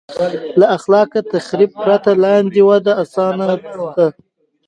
له خلاق تخریب پرته لاندې وده اسانه ده.